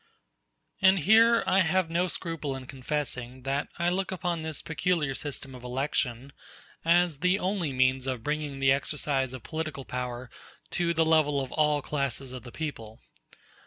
And here I have no scruple in confessing that I look upon this peculiar system of election as the only means of bringing the exercise of political power to the level of all classes of the people.